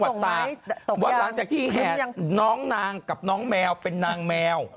วันหลังจากที่แห่น้องนางกับน้องแมวเป็นนางแมว